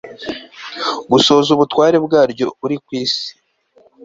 gusohoza ubutware bwaryo uri ku isi